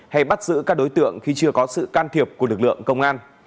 hay bắt giữ các đối tượng khi chưa có sự can thiệp của lực lượng công an